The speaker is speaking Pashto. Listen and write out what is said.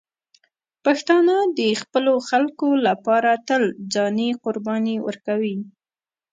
پښتانه د خپلو خلکو لپاره تل ځاني قرباني ورکوي.